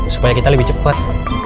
supaya kita lebih cepat